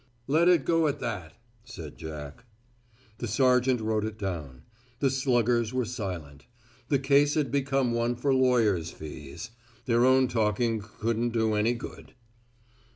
"Let it go at that," said Jack. The sergeant wrote it down. The sluggers were silent. The case had become one for lawyers' fees. Their own talking couldn't do any good.